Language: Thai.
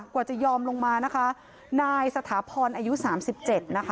กว่าจะยอมลงมานะคะนายสถาพรอายุสามสิบเจ็ดนะคะ